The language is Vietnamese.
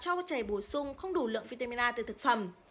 cho trẻ bổ sung không đủ lượng vitamin a từ thực phẩm